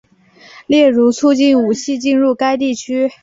例如促进武器进入该地区。